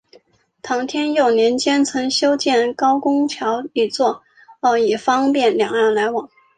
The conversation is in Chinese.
唐天佑年间曾修建高公桥一座以方便两岸来往。